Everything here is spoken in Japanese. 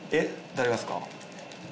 誰がっすか？